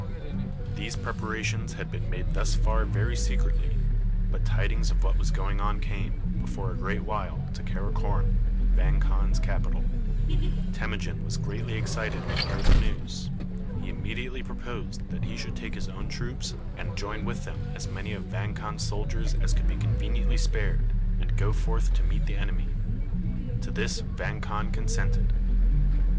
These preparations had been made thus far very secretly; but tidings of what was going on came, before a great while, to Karakorom, Vang Khan's capital. Temujin was greatly excited when he heard the news. He immediately proposed that he should take his own troops, and join with them as many of Vang Khan's soldiers as could be conveniently spared, and go forth to meet the enemy. To this Vang Khan consented.